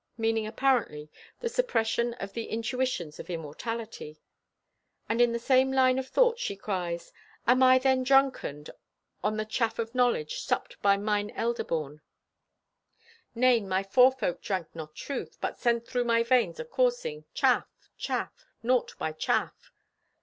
meaning, apparently, the suppression of the intuitions of immortality; and in the same line of thought she cries: "Am I then drunkened on the chaff of knowledge supped by mine elderborn? Nay, my forefolk drank not truth, but sent through my veins acoursing, chaff, chaff, naught by chaff."